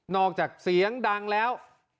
จากเสียงดังแล้ว